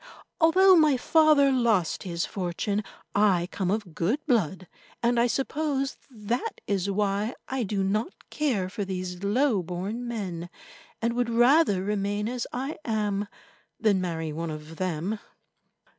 Although my father lost his fortune, I come of good blood, and I suppose that is why I do not care for these low born men, and would rather remain as I am than marry one of them."